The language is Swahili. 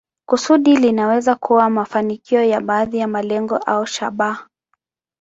Kusudi linaweza kuwa mafanikio ya baadhi ya malengo au shabaha.